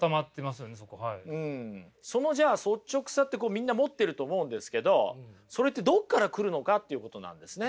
そのじゃあ率直さってこうみんな持ってると思うんですけどそれってどこから来るのかっていうことなんですね。